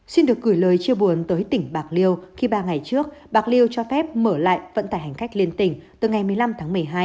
xin được gửi lời chia buồn tới tỉnh bạc liêu khi ba ngày trước bạc liêu cho phép mở lại vận tải hành khách liên tỉnh từ ngày một mươi năm tháng một mươi hai